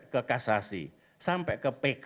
ke kasasi sampai ke pk